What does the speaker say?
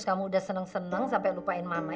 kamu sudah senang senang sampai lupa mama